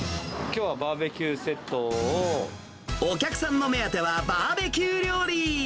きょうはバーベキューセットお客さんの目当ては、バーベキュー料理。